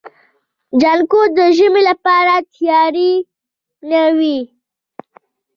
جانکو د ژمي لپاره تياری نيوه.